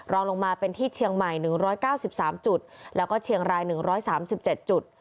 รองลงมาเป็นที่เชียงใหม่๑๙๓จุดแล้วก็เชียงราย๑๓๗จุด